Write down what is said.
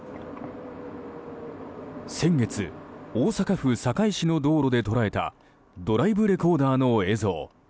先月大阪府堺市の道路で捉えたドライブレコーダーの映像。